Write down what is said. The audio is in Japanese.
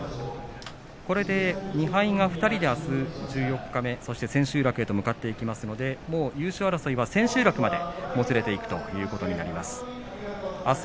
これで２敗が２人であす十四日目、千秋楽へと向かっていきますのでもう優勝争いは千秋楽までもつれていくということになります。